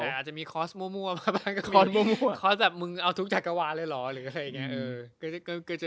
อาจจะมีคอร์สมั่วคอร์สแบบมึงเอาทุกธักหวาเลยหรอก